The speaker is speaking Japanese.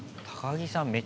高木さん